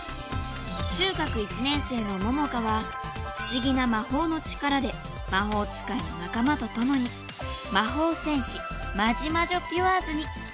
中学１年生のモモカは不思議な魔法の力で魔法使いの仲間とともに魔法×戦士マジマジョピュアーズに！